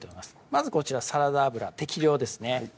まずこちらサラダ油適量ですね